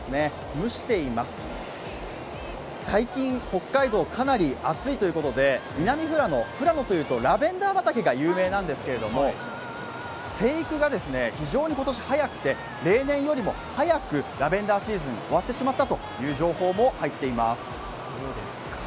蒸しています、最近、北海道かなり暑いということで、南富良野、富良野というとラベンダー畑が有名なんですけど生育が今年、非常に早くて例年より早くラベンダーシーズン、終わってしまったという情報も入っています。